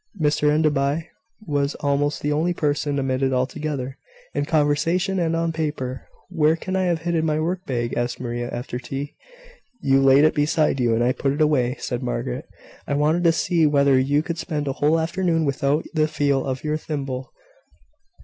Mr Enderby was almost the only person omitted altogether, in conversation and on paper. "Where can I have hidden my work bag?" asked Maria, after tea. "You laid it beside you, and I put it away," said Margaret. "I wanted to see whether you could spend a whole afternoon without the feel of your thimble.